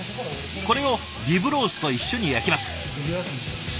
これをリブロースと一緒に焼きます。